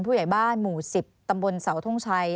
ผู้ใหญ่บ้านหมู่๑๐ตำบลเสาทงชัย